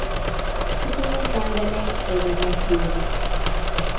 Kitinye panganet kepe kap gogo